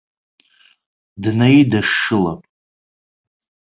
Днаидашшылап.